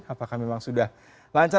apakah memang sudah lancar